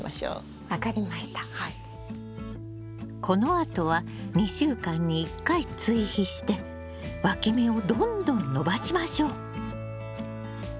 このあとは２週間に１回追肥してわき芽をどんどん伸ばしましょう。